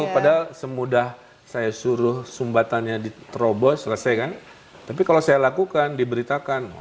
padahal semudah saya suruh sumbatannya diterobos selesai kan tapi kalau saya lakukan diberitakan